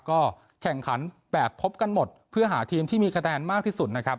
ก็แข่งขันแบบพบกันหมดเพื่อหาทีมที่มีคะแนนมากที่สุดนะครับ